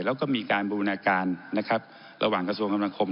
แล้วก็มีการบุญการระหว่างกระทรวงคำนาคม